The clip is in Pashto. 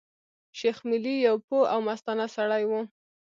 شېخ ملي يو پوه او مستانه سړی وو.